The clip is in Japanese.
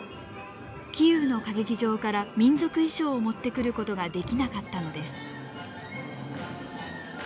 キーウの歌劇場から民族衣装を持ってくることができなかったのです。